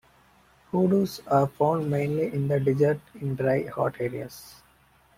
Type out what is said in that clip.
Hoodoos are found mainly in the desert in dry, hot areas.